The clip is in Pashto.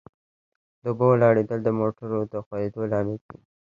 د اوبو ولاړېدل د موټرو د ښوئیدو لامل کیږي